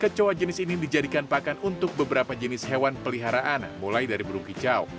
kecoa jenis ini dijadikan pakan untuk beberapa jenis hewan peliharaan mulai dari burung kicau